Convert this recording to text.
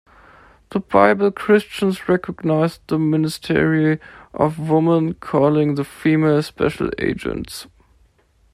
The Bible Christians recognised the ministry of women, calling then 'Female Special Agents'.